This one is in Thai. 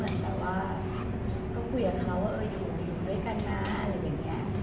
แบบเพราะว่าตื่นเต้นมากเข้าไอฮิวแล้วก็แป๊บนึงก็คือผ่าตัด